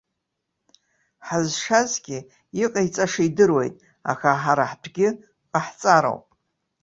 Ҳазшазгьы иҟаиҵаша идыруеит, аха ҳара ҳтәгьы ҟаҳҵароуп!